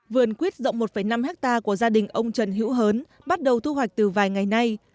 vườn quyết rộng một năm hectare của gia đình ông trần hữu hớn bắt đầu thu hoạch từ vài ngày nay